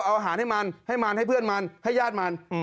เอาอาหารให้มันให้มันให้เพื่อนมันให้ญาติมัน